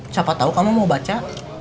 siapa tahu kamu mau baca